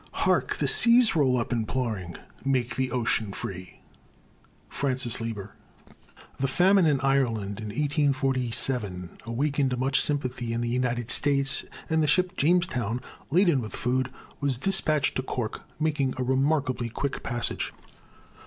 Hark! The seas roll up imploring "Make the ocean free." FRANCIS LIEBER. The famine in Ireland in 1847 awakened much sympathy in the United States, and the ship Jamestown, laden with food, was dispatched to Cork, making a remarkably quick passage.